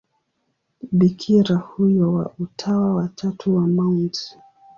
Bikira huyo wa Utawa wa Tatu wa Mt.